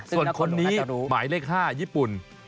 ส่วนคนนี้หมายเลข๕ญี่ปุ่น